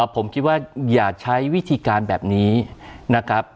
ผมคิดว่าอย่าใช้วิธีการแบบนี้นะครับ